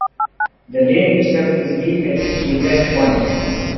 The lake itself is deep at its deepest point.